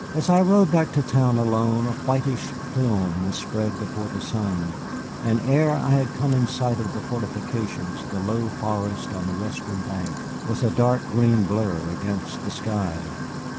As I rode back to town alone a whitish film was spread before the sun, and ere I had come in sight of the fortifications the low forest on the western bank was a dark green blur against the sky.